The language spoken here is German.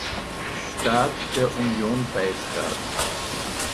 Staat der Union beitrat.